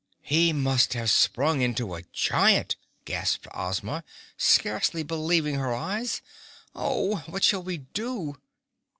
"He must have sprung into a giant," gasped Ozma, scarcely believing her eyes. "Oh, what shall we do?"